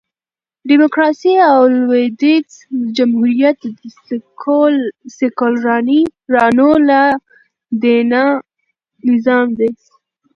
ډيموکراسي او لوېدیځ جمهوریت د سیکولرانو لا دینه نظام دئ.